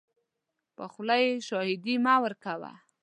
په خوله یې شاهدي مه ورکوه .